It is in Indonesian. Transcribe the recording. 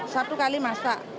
satu kali masak